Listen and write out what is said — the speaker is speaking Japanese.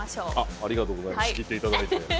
ありがとうございます仕切っていただいて。